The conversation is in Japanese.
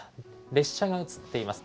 列車が映っています。